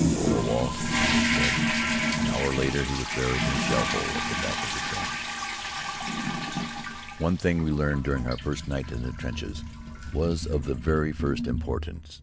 "Poor old Walt!" they said. An hour later he was buried in a shell hole at the back of the trench. One thing we learned during our first night in the trenches was of the very first importance.